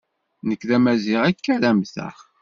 Nek d Amaziɣ, akka ara mmteɣ.